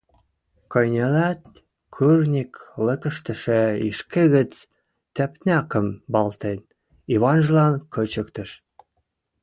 Кӹньӹлят, курньык лыкыштышы ишкӹ гӹц тӓпнӓкӹм валтен, Иванжылан кычыктыш.